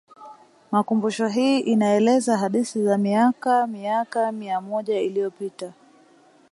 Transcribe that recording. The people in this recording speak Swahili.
Makumbusho hii inaeleza hadithi za miaka miaka mia moja iliyopita